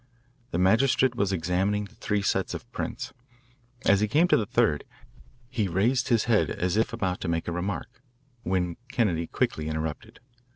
The magistrate was examining the three sets of prints. As he came to the third, he raised his head as if about to make a remark, when Kennedy quickly interrupted.